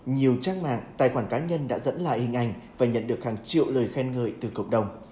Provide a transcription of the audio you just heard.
nhiều trang mạng tài khoản cá nhân đã dẫn lại hình ảnh và nhận được hàng triệu lời khen ngợi từ cộng đồng